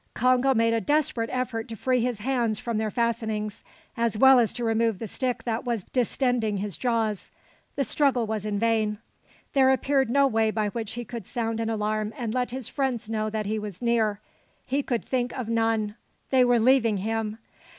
Congo made a desperate effort to free his hands from their fastenings, as well as to remove the stick that was distending his jaws. The struggle was in vain. There appeared no way by which he could sound an alarm and let his friends know that he was near. He could think of none. They were leaving him.